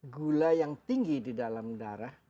gula yang tinggi di dalam darah